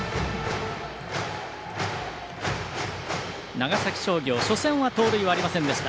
長崎商業初戦は盗塁はありませんでした。